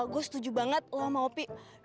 gue setuju banget lo sama opie